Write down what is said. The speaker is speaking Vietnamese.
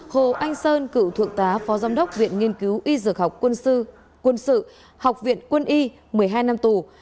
hồ anh sơn cựu thượng tá phó giám đốc viện nghiên cứu y dược học quân sự học viện quân y một mươi hai năm tù